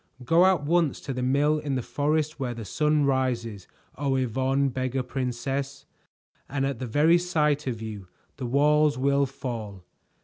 Go at once to the mill in the forest where the sun rises, O Yvonne, Beggar Princess, and at the very sight of you the walls will fall.